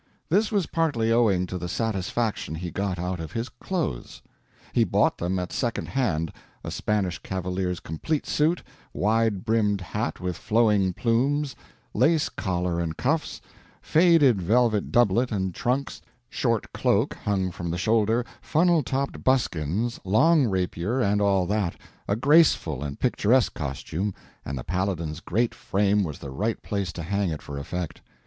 This was partly owing to the satisfaction he got out of his clothes. He bought them at second hand—a Spanish cavalier's complete suit, wide brimmed hat with flowing plumes, lace collar and cuffs, faded velvet doublet and trunks, short cloak hung from the shoulder, funnel topped buskins, long rapier, and all that—a graceful and picturesque costume, and the Paladin's great frame was the right place to hang it for effect.